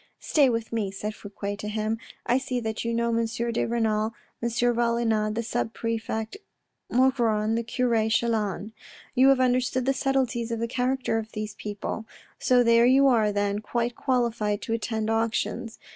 " Stay with me," said Fouque to him. " I see that you know M. de Renal, M. Valenod, the sub prefect Maugron, the cure Chelan. You have understood the subtleties of the character of those people. So there you are then, quite qualified to attend auctions.